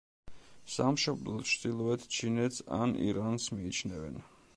სამშობლოდ ჩრდილოეთ ჩინეთს ან ირანს მიიჩნევენ.